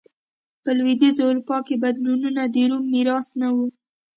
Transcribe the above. په لوېدیځه اروپا کې بدلونونه د روم میراث نه و.